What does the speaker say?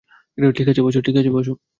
ঠিক আছে, বসো।